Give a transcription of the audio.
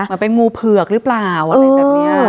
มันเป็นงูเผือกหรือเปล่าอะไรแบบนี้